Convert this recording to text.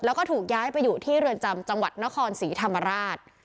แล้วก็ถูกย้ายไปอยู่ที่เรือนจำจังหวัดนครศรีธรรมราช